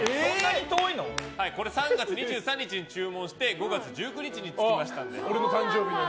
３月２３日に注文して５月１９日に着きましたので。